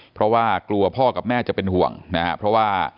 เพราะว่ากลัวพ่อกับแม่จะเป็นห่วงนะครับเพราะว่า